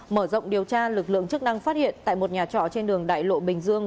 mở rộng điều tra lực lượng chức năng phát hiện tại một nhà trọ trên đường đại lộ bình dương